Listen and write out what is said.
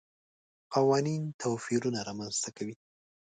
قوانین توپیرونه رامنځته کوي.